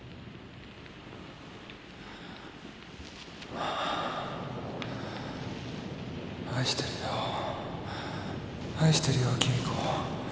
あぁ愛してるよ愛してるよ貴美子